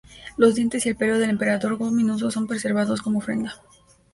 Los dientes y el pelo del Emperador Go-Mizunoo son preservados como ofrenda.